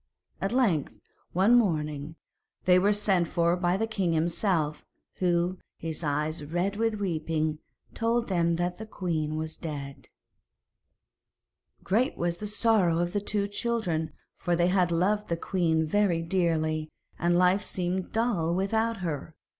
At length, one morning, they were sent for by the king himself, who, his eyes red with weeping, told them that the queen was dead. [Illustration: THE DRAGON DISCOMFITED] Great was the sorrow of the two children, for they had loved the queen very dearly, and life seemed dull without her.